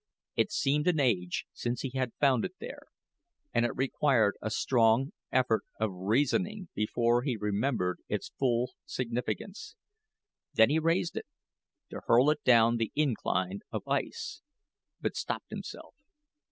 It seemed an age since he had found it there, and it required a strong effort of reasoning before he remembered its full significance. Then he raised it, to hurl it down the incline of ice, but stopped himself.